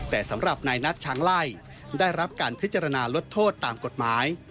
แต่สำหรับนายนัทช้างไล่ได้รับการพิจารณาลดโทษตามกฎหมาย